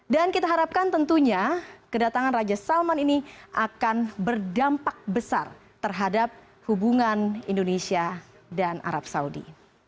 kita harapkan tentunya kedatangan raja salman ini akan berdampak besar terhadap hubungan indonesia dan arab saudi